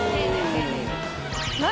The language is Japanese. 何？